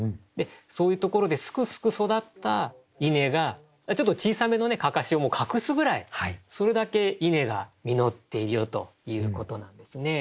そういうところですくすく育った稲がちょっと小さめの案山子をもう隠すぐらいそれだけ稲が実っているよということなんですね。